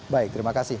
baik terima kasih